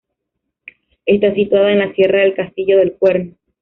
Está situada en la sierra del Castillo del Cuerno.